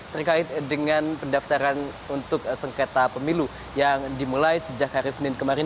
terkait dengan pendaftaran untuk sengketa pemilu yang dimulai sejak hari senin kemarin